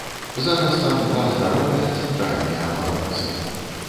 Зараз там два здаровыя цэнтральныя абаронцы.